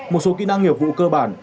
một số kỹ năng nghiệp vụ cơ bản